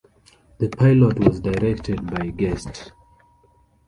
The pilot was directed by Guest.